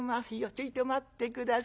ちょいと待って下さい。